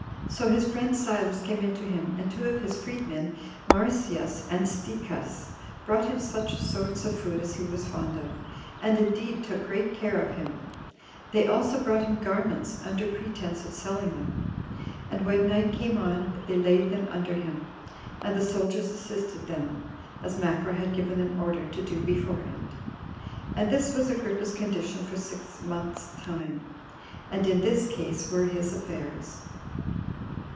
So his friend Silas came in to him, and two of his freed men, Marsyas and Stechus, brought him such sorts of food as he was fond of, and indeed took great care of him; they also brought him garments, under pretense of selling them; and when night came on, they laid them under him; and the soldiers assisted them, as Macro had given them order to do beforehand. And this was Agrippa's condition for six months' time, and in this case were his affairs.